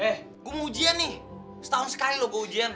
eh gue mau ujian nih setahun sekali loh gue ujian